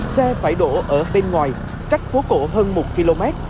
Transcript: xe phải đổ ở bên ngoài cách phố cổ hơn một km